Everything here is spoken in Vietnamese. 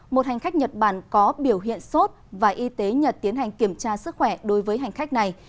một hành khách nhật bản có biểu hiện sốt và y tế nhật tiến hành kiểm tra sức khỏe đối với hành khách này